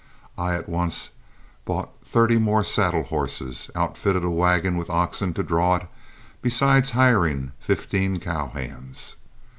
I at once bought thirty more saddle horses, outfitted a wagon with oxen to draw it, besides hiring fifteen cow hands.